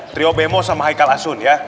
trio bemo sama heikal asun